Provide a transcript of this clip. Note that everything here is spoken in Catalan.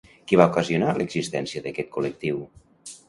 Què va ocasionar l'existència d'aquest col·lectiu?